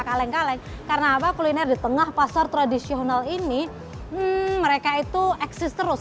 kaleng kaleng karena apa kuliner di tengah pasar tradisional ini mereka itu eksis terus